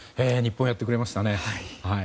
日本、やってくれましたね。